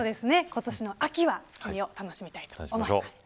今年の秋は月見を楽しみたいと思います。